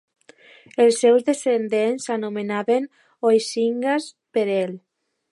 Els seus descendents s'anomenaven "Oiscingas" per ell.